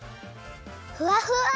ふわふわ！